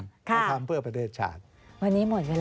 จะทำเพื่อประเทศชาติ